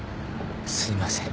すいません。